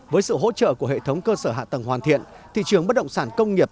với sự hỗ trợ của hệ thống cơ sở hạ tầng hoàn thiện thị trường bất động sản công nghiệp